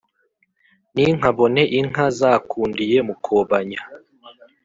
ninkabone inka zakundiye mukobanya